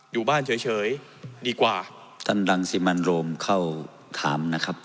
อยู่บ้านเฉยดีกว่าท่านรังสิมันโรมเข้าถามนะครับ